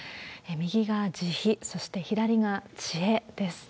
右が慈悲、そして左が知恵です。